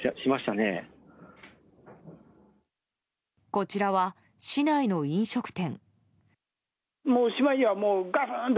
こちらは市内の飲食店。